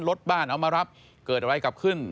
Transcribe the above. รถบ้านเอามารับเกิดอะไรกลับขึ้น